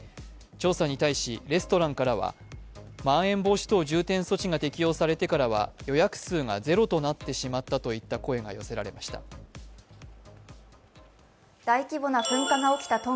調査に対し、レストランからは、まん延防止等重点措置が適用されてからは予約数がゼロとなってしまったといった声が寄せられました。